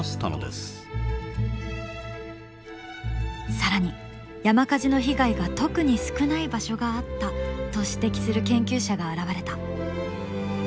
更に山火事の被害が特に少ない場所があったと指摘する研究者が現れた。